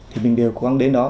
thì mình đều quăng đến đó